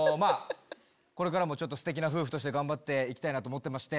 これからもステキな夫婦として頑張っていきたいと思ってまして。